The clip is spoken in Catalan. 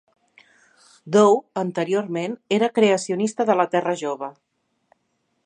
Dowd anteriorment era creacionista de la Terra jove.